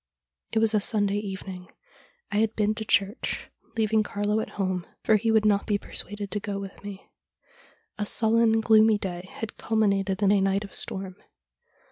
It was a Sunday evening. I had been to church, leaving Carlo at home, for he would not be persuaded to go with me. A sullen, gloomy day had culminated in a night of storm.